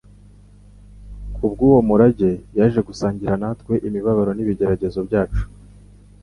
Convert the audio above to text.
Kubw'uwo murage, yaje gusangira natwe imibabaro n'ibigeragezo byacu,